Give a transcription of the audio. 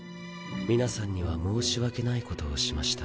皆さんには申し訳ないことをしました。